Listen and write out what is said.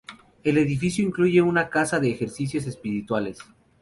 El edificio incluye una casa de ejercicios espirituales.